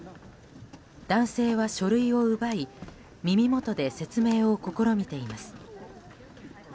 男性は書類を奪い耳元で説明を試みています。